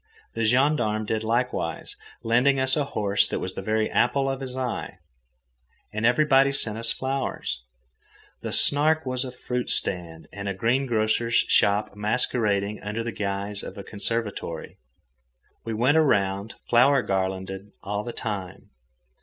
The gendarme did likewise, lending us a horse that was the very apple of his eye. And everybody sent us flowers. The Snark was a fruit stand and a greengrocer's shop masquerading under the guise of a conservatory. We went around flower garlanded all the time.